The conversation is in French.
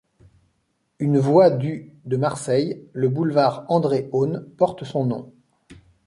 Une voie du de Marseille, le boulevard André-Aune, porte son nom.